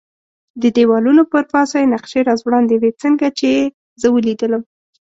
د دېوالونو پر پاسه یې نقشې را ځوړندې وې، څنګه چې یې زه ولیدلم.